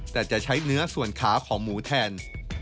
แต่จะใช้เนื้อส่วนขาของหมูแทน